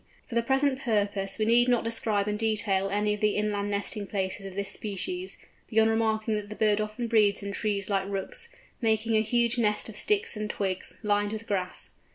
For the present purpose we need not describe in detail any of the inland nesting places of this species, beyond remarking that the bird often breeds in trees like Rooks, making a huge nest of sticks and twigs, lined with grass.